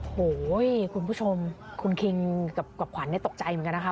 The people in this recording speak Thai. โอ้โหคุณผู้ชมคุณคิงกับขวัญตกใจเหมือนกันนะคะ